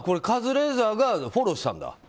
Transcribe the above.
カズレーザーがフォローしたんだ？